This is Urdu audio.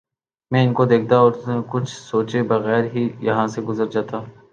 میں ان کو دیکھتا اور کچھ سوچے بغیر ہی یہاں سے گزر جاتا